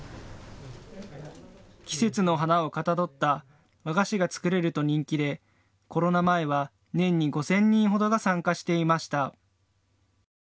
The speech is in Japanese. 季節の花をかたどった和菓子が作れると人気でコロナ前は年に５０００人ほどが参加していました。